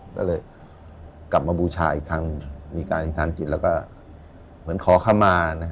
ก็เลยกลับมาบูชาอีกครั้งมีการอิทธิ์ทางจิตแล้วก็เหมือนขอขมา